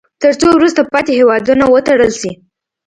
تر څو وروسته پاتې هیوادونه وتړل شي.